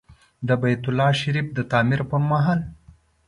د بیت الله شریف د تعمیر پر مهال.